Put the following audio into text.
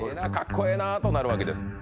こええなとなるわけです